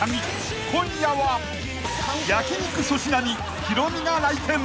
［今夜は焼肉ソシナにヒロミが来店。